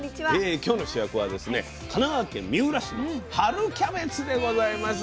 今日の主役はですね神奈川県三浦市の春キャベツでございます。